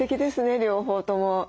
両方とも。